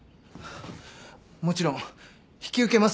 もちろん引き受けますよね？